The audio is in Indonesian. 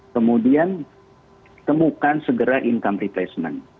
kemudian temukan segera income retacement